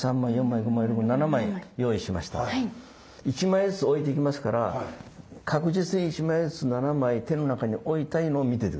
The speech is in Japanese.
１枚ずつ置いていきますから確実に１枚ずつ７枚手の中に置いたのを見ていて下さいね。